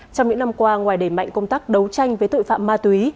trong những năm qua ngoài đẩy mạnh công tác đấu tranh với tội phạm ma túy